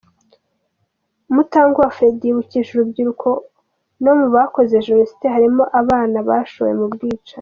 Mutanguha Freddy yibukije urubyiruko ko no mu bakoze Jenoside harimo abana bashowe mu bwicanyi.